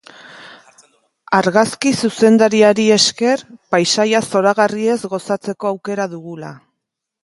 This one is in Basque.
Argazki zuzendariari esker paisaia zoragarriez gozatzeko aukera dugula.